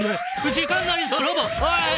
時間ないぞロボおい。